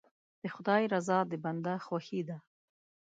د خدای رضا د بنده خوښي ده.